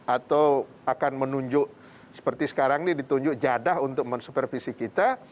atau akan menunjuk seperti sekarang ini ditunjuk jadah untuk mensupervisi kita